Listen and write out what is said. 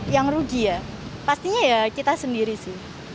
yang rugi ya pastinya ya kita sendiri sih